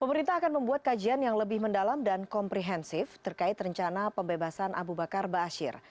pemerintah akan membuat kajian yang lebih mendalam dan komprehensif terkait rencana pembebasan abu bakar ⁇ baasyir ⁇